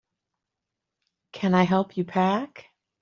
Can I help you pack?